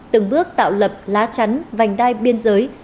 từng bước tạo lập lá chắn vành đai biên giới